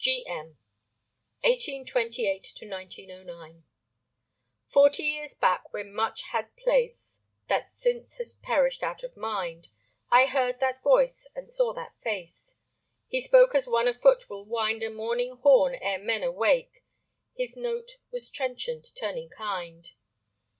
[Pg 15] G. M. 1828 1909. Forty years back, when much had place That since has perished out of mind, I heard that voice and saw that face. He spoke as one afoot will wind A morning horn ere men awake; His note was trenchant, turning kind.